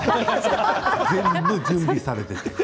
全部、準備されている。